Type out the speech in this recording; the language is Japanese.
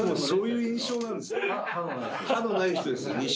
そういう印象があるんですね